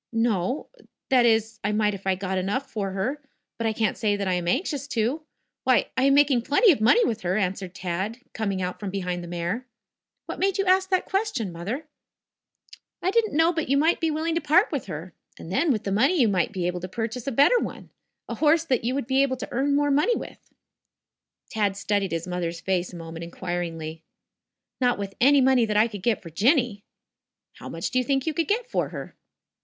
"No. That is, I might if I got enough for her. But I can't say that I am anxious to. Why, I am making plenty of money with her," answered Tad coining out from behind the mare. "What made you ask that question, Mother?" "I didn't know but you might be willing to part with her. And then, with the money you might be able to purchase a better one a horse that you would be able to earn more money with." Tad studied his mother's face a moment inquiringly. "Not with any money that I could get for Jinny." "How much do you think you could get for her?"